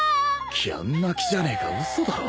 ギャン泣きじゃねえか嘘だろ？